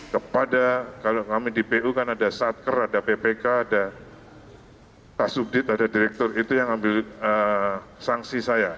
kepada kalau kami di pu kan ada satker ada ppk ada tasubdit ada direktur itu yang ambil sanksi saya